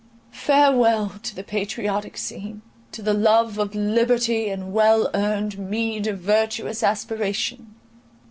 Farewell to the patriotic scene, to the love of liberty and well earned meed of virtuous aspiration!